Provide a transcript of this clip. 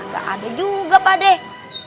gak ada juga fadeh